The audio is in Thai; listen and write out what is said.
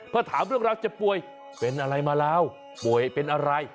พอถามเรื่องราวเจ็บป่วยเป็นอะไรมาแล้วป่วยเป็นอะไร